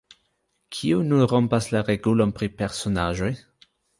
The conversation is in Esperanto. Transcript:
"Kiu nun rompas la regulon pri personaĵoj?"